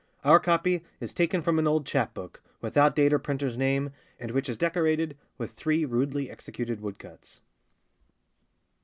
Our copy is taken from an old chap book, without date or printer's name, and which is decorated with three rudely executed wood cuts.